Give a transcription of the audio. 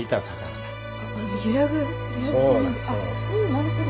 なるほど。